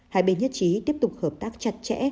hai bên nhất trí tiếp tục hợp tác chặt chẽ